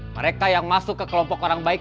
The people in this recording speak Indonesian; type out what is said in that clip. mereka yang masuk ke kelompok orang baik